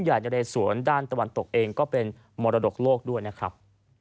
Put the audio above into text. ใหญ่นะเรสวนด้านตะวันตกเองก็เป็นมรดกโลกด้วยนะครับ